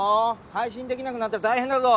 配信できなくなったら大変だぞ！